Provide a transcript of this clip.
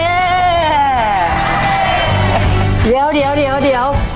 เดี๋ยวเดี๋ยวเดี๋ยวเดี๋ยว